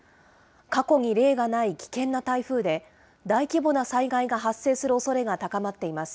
過去に例がない危険な台風で、大規模な災害が発生するおそれが高まっています。